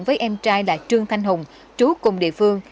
với em trai là trương thanh hùng trú cùng địa phương